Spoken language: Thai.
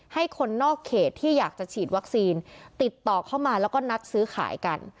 ให้คนนอกเขตที่อยากจะฉีดวัคซีนติดต่อเข้ามาแล้วก็นัดซื้อขายกัน